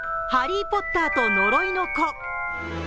「ハリー・ポッターと呪いの子」。